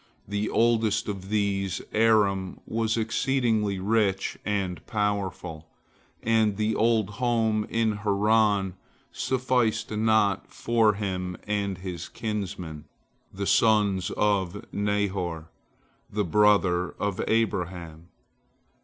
The oldest of these, Aram, was exceedingly rich and powerful, and the old home in Haran sufficed not for him and his kinsmen, the sons of Nahor, the brother of Abraham.